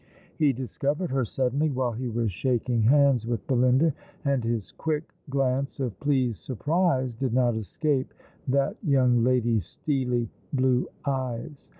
He discovered her suddenly while he was shaking hands with Belinda, and his quick glance of pleased surprise did not escape that young lady's steely blue eyes.